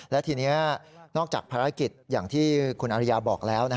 และทีนี้นอกจากภารกิจอย่างที่คุณอริยาบอกแล้ว